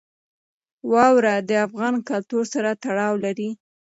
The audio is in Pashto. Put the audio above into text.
واوره د افغان کلتور سره تړاو لري.